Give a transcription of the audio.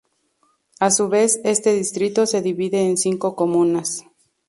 A su vez este distrito se divide en cinco comunas.